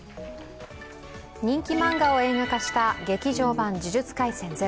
人気漫画を映画化した「劇場版呪術廻戦０」。